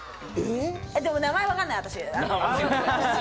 でも名前わかんない、私。